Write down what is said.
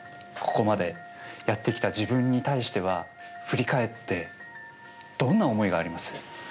ここまでやってきた自分に対しては振り返ってどんな思いがあります？